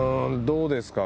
どうですか？